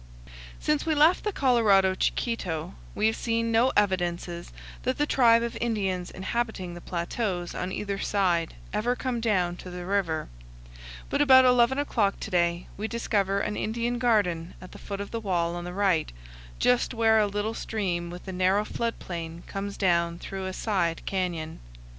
Since we left the Colorado Chiquito we have seen no evidences that the tribe of Indians inhabiting the plateaus on either side ever come down to the river; but about eleven o'clock to day we discover an Indian garden at the foot of the wall on the right, just where a little stream with a narrow flood plain comes down through a side canyon.